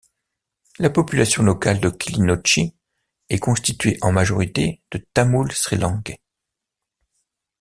La population locale de Kilinochchi est constituée en majorité de Tamouls sri-lankais.